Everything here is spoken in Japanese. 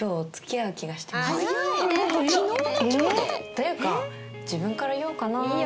というか自分から言おうかなと。